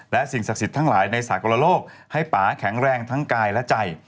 และสิ่งศักดิ์สิทธิ์ทั้งหลายในสากลโลกให้ป่าแข็งแรงทั้งกายและใจ